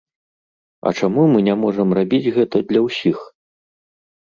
А чаму мы не можам рабіць гэта для ўсіх?